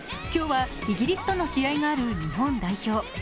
今日はイギリスとの試合がある日本代表。